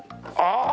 ああ。